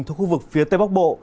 thuộc khu vực phía tây bắc bộ